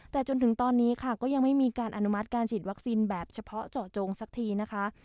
แต่จนถึงตอนนี้ค่ะก็ยังไม่มีการอนุมัติการฉีดวัคซีนแบบเฉพาะเจาะจงสักทีนะคะ